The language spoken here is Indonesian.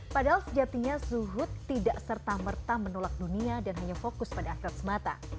padahal sejatinya zuhud tidak serta merta menolak dunia dan hanya fokus pada akrab semata